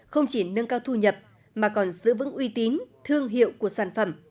không chỉ nâng cao thu nhập mà còn giữ vững uy tín thương hiệu của sản phẩm